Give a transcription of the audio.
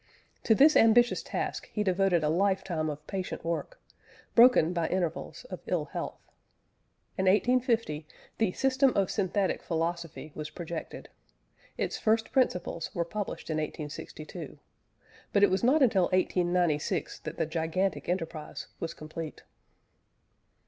To this ambitious task he devoted a lifetime of patient work, broken by intervals of ill health. In 1850 the System of Synthetic Philosophy was projected; its First Principles were published in 1862, but it was not until 1896 that the gigantic enterprise was complete.